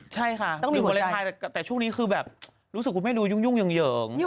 ใช่ค่ะต้องมีหัวใจแต่ช่วงนี้คือแบบรู้สึกกูไม่ดูยุ่งเหยิง